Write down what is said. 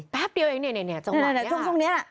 แป๊บเดียวยังเนี่ยจังหวะเนี่ยค่ะ